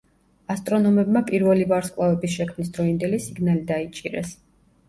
ასტრონომებმა პირველი ვარსკვლავების შექმნის დროინდელი სიგნალი დაიჭირეს.